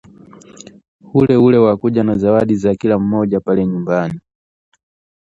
Uleule wa kuja na zawadi za kila mmoja pale nyumbani